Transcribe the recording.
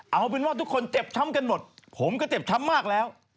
เอาเป็นว่าทุกคนเจ็บช้ำกันหมดผมก็เจ็บช้ำมากแล้ว